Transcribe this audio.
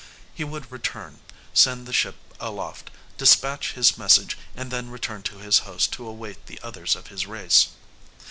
He would return, send the ship aloft, dispatch his message and then return to his host to await the others of his race.